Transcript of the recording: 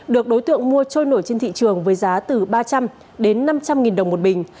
được đối tượng mua trôi nổi trên thị trường với giá từ ba trăm linh đến năm trăm linh nghìn đồng một bình